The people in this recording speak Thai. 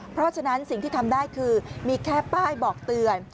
เพราะฉะนั้นสิ่งที่ทำได้คือมีแค่ป้ายบอกเตือน